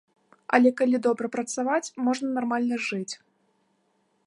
Але калі добра працаваць, можна нармальна жыць.